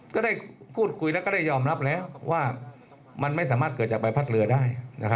ก็ได้พูดคุยแล้วก็ได้ยอมรับแล้วว่ามันไม่สามารถเกิดจากใบพัดเรือได้